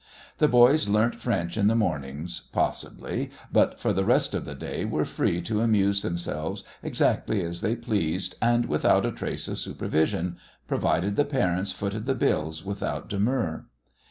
The boys learnt French in the mornings, possibly, but for the rest of the day were free to amuse themselves exactly as they pleased and without a trace of supervision provided the parents footed the bills without demur.